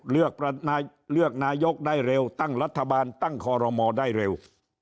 เลือกนายกได้เร็วตั้งรัฐบาลตั้งคอรมอลได้เร็ว